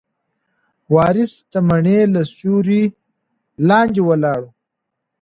وارث د مڼې له سیوري لاندې ولاړ و.